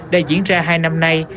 đã diễn ra hai năm nay